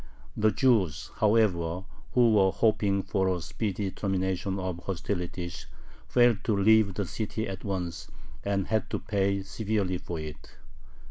The Jews, however, who were hoping for a speedy termination of hostilities, failed to leave the city at once, and had to pay severely for it.